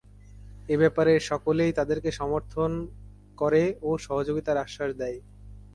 এ ব্যাপারে সকলেই তাদেরকে সমর্থন করে ও সহযোগিতার আশ্বাস দেয়।